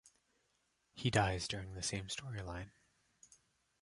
He dies during the same storyline.